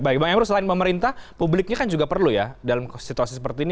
baik bang emru selain pemerintah publiknya kan juga perlu ya dalam situasi seperti ini